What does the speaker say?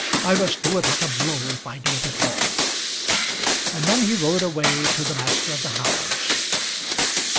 "I must do it at a blow, if I do it at all;" and then he rode away to the master of the hounds.